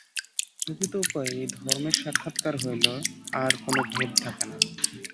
প্রকৃত উপায়ে এই ধর্মের সাক্ষাৎকার হইলে আর কোন ভেদ থাকে না।